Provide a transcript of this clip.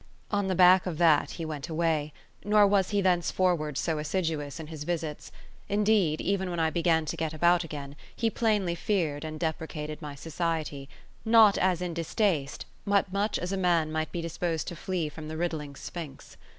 On the back of that he went away, nor was he thenceforward so assiduous in his visits; indeed, even when I began to get about again, he plainly feared and deprecated my society, not as in distaste but much as a man might be disposed to flee from the riddling sphynx.